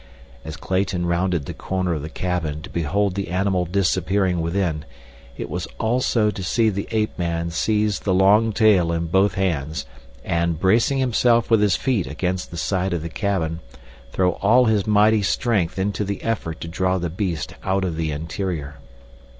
As Clayton rounded the corner of the cabin to behold the animal disappearing within, it was also to see the ape man seize the long tail in both hands, and, bracing himself with his feet against the side of the cabin, throw all his mighty strength into the effort to draw the beast out of the interior.